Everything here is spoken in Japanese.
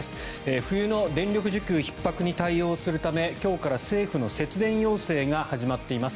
冬の電力需給ひっ迫に対応するため今日から政府の節電要請が始まっています。